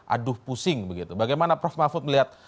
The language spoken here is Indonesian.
aduh pusing begitu bagaimana prof mahfud melihat